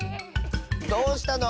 どうしたの？